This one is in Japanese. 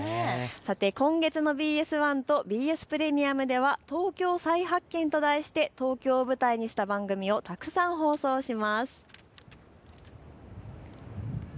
今月のＢＳ１とＢＳプレミアムでは東京再発見と題して東京を舞台にした番組をたくさん放送します。